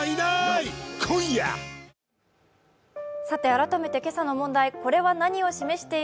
改めて今朝の問題です。